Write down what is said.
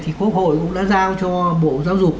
thì quốc hội cũng đã giao cho bộ giáo dục